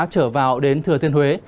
trở vào đến thừa thiên huế